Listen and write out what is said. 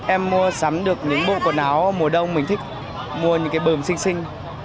em mua sắm được những bộ quần áo mùa đông mình thích mua những cái bờm xinh xinh